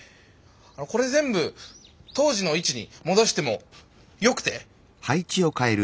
あのこれ全部当時の位置に戻してもよくて？